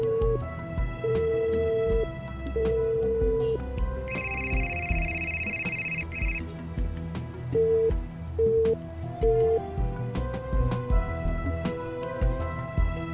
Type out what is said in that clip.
aku mau ke tempat yang lebih baik